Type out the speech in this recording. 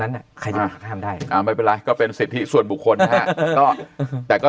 นั้นใครจะห้ามได้ไม่เป็นไรก็เป็นสิทธิส่วนบุคคลแต่ก็